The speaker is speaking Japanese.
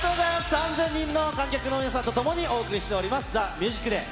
３０００人の観客の皆さんと共にお送りしておりますＴＨＥＭＵＳＩＣＤＡＹ。